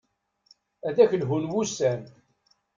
Ad ak-lhun wussan.